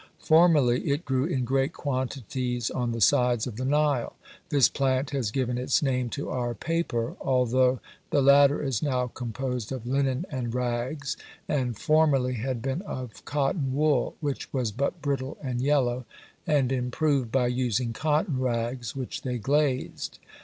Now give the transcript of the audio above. Formerly it grew in great quantities on the sides of the Nile. This plant has given its name to our paper, although the latter is now composed of linen and rags, and formerly had been of cotton wool, which was but brittle and yellow; and improved by using cotton rags, which they glazed.